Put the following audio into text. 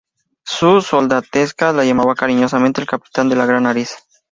Su soldadesca le llamaba cariñosamente "El capitán de la gran nariz".